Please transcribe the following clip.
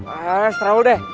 eh seterah dulu deh